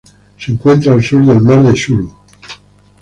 Se encuentra al sur del mar de Sulu.